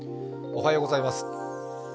おはようございます。